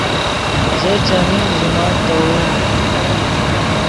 زو چیمین ژے مَنۡ تیووم